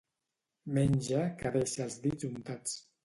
Menja que deixa els dits untats.